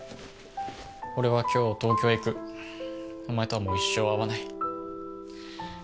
俺は今日東京へ行くお前とはもう一生会わない。